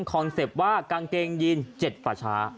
คนเซปว่ากางเกงยืนเจ็ดผัดช้า